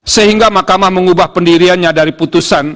sehingga mahkamah mengubah pendiriannya dari putusan